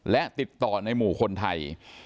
และติดต่อในหมู่คนไทย